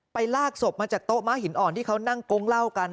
ลากศพมาจากโต๊ะม้าหินอ่อนที่เขานั่งโก๊งเล่ากัน